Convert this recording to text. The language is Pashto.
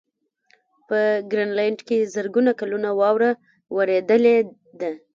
په ګرینلنډ کې زرګونه کلونه واوره ورېدلې ده.